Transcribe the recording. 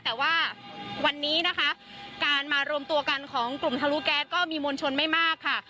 แต่ว่าวันนี้นะคะการมารวมตัวกันของกลุ่มทะลุแก๊สก็มีมวลชนไม่มากค่ะ